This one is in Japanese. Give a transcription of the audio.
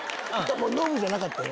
ノブじゃなかったよ。